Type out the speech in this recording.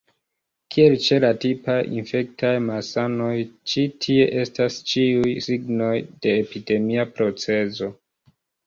Kiel ĉe la tipaj infektaj malsanoj, ĉi tie estas ĉiuj signoj de epidemia procezo.